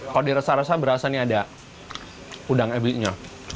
kalau dirasa rasa berasa nih ada udang ebi nya